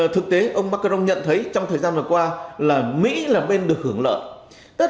thực tế ông macron nhận thấy trong thời gian vừa qua là mỹ là bên được hưởng lợi